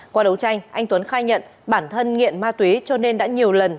qua đấu tranh anh tuấn khai nhận bản thân nghiện ma túy cho nên đã nhiều lần